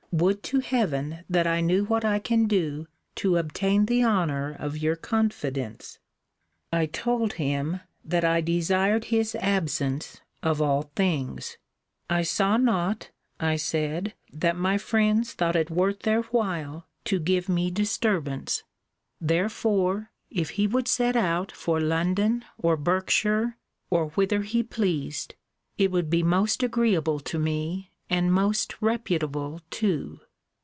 Would to heaven that I knew what I can do to obtain the honour of your confidence! I told him, that I desired his absence, of all things. I saw not, I said, that my friends thought it worth their while to give me disturbance: therefore, if he would set out for London, or Berkshire, or whither he pleased, it would be most agreeable to me, and most reputable too.